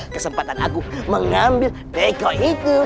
kesempatan aku mengambil teko itu